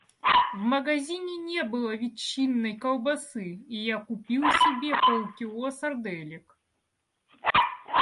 В магазине не было ветчинной колбасы, и я купил себе полкило сарделек.